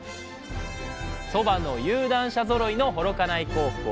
そばの有段者ぞろいの幌加内高校。